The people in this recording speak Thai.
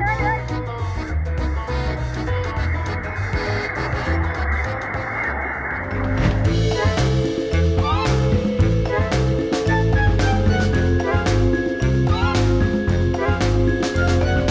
ตอนแรกก็เดินไปซื้อหวานเย็นกับป้าคนนึงที่เขาอยู่แถวนั้น